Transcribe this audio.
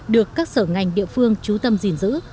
được các sở ngành địa phương trú tâm gìn giữ